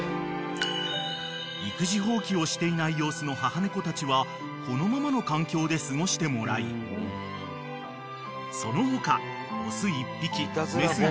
［育児放棄をしていない様子の母猫たちはこのままの環境で過ごしてもらいその他オス１匹メス２匹を捕獲］